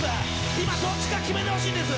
今、どっちか決めてほしいんです。